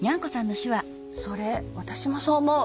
それ私もそう思う。